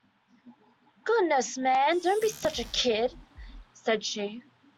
“Goodness, man, don’t be such a kid!” said she.